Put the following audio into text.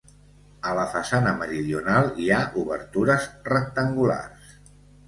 A la façana meridional hi ha obertures rectangulars.